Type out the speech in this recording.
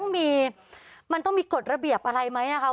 มันต้องมีกฎระเบียบอะไรไหมนะคะ